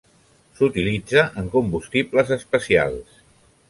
S'utilitza en combustibles especials.